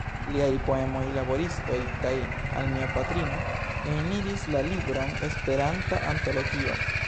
Liaj poemoj "Laboristoj" kaj "Al mia patrino" eniris la libron "Esperanta Antologio".